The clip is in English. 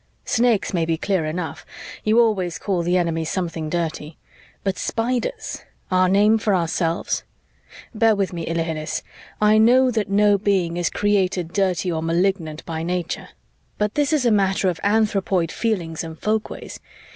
Snakes may be clear enough you always call the enemy something dirty. But Spiders our name for ourselves? Bear with me, Ilhilihis; I know that no being is created dirty or malignant by Nature, but this is a matter of anthropoid feelings and folkways.